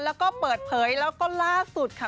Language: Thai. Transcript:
แล้วก็เปิดเผยแล้วก็ล่าสุดค่ะ